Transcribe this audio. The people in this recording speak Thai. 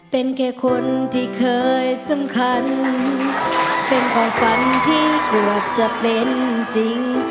เป็นแค่คนที่เคยสำคัญเป็นความฝันที่เกือบจะเป็นจริง